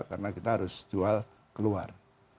karena kita harus jual keluar